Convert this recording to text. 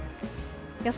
予想